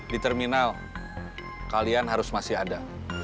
di terminal kalian harus masih ada